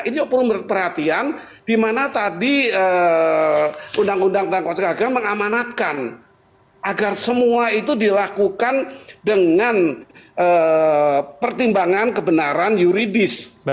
ini perlu perhatian di mana tadi undang undang tentang konsep agama mengamanatkan agar semua itu dilakukan dengan pertimbangan kebenaran yuridis